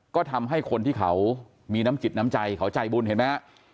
ก็ทำให้คนที่เขามีน้ำจิตน้ำใจเขาใจบุญเห็นไหมฮะ